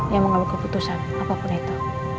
yang mengambil keputusan apapun itu